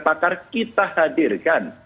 menghadirkan pakar kita hadirkan